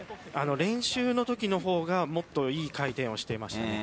練習のときの方がもっといい回転をしていました。